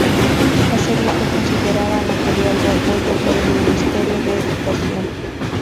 La serie fue considerada material de apoyo por el Ministerio de Educación.